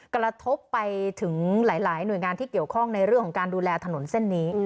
กระทบไปถึงหลายหน่วยงานที่เกี่ยวข้องในเรื่องของการดูแลถนนเส้นนี้